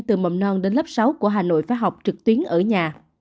từ mầm non đến lớp sáu của hà nội phải học trực tuyến ở nhà